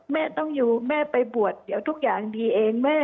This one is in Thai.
แม่ต้องอยู่แม่ไปบวชเดี๋ยวทุกอย่างดีเองแม่